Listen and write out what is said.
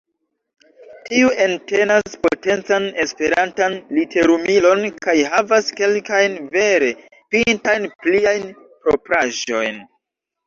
Tiu entenas potencan esperantan literumilon kaj havas kelkajn vere pintajn pliajn propraĵojn.